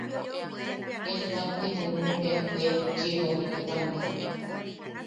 Ian tajti junuʼu bea, ne betchiʼibo a tekipanoa.